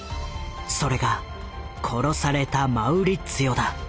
それが殺されたマウリッツィオだ。